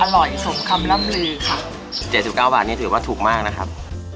สมคำล่ำลือค่ะเจ็ดสิบเก้าบาทนี่ถือว่าถูกมากนะครับ